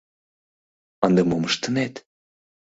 — Ынде мом ыштынет?